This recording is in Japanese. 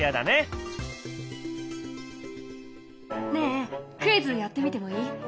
ねえクイズやってみてもいい？